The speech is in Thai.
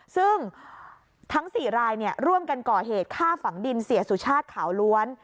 ซึ่งทั้ง๔รายร่วมกันก่อเหตุฆ่าฝังดินเสียสุชาติขาวล้วน